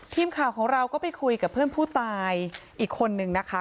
ทีมข่าวของเราก็ไปคุยกับเพื่อนผู้ตายอีกคนนึงนะคะ